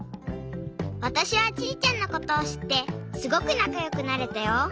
わたしはちりちゃんのことをしってすごくなかよくなれたよ。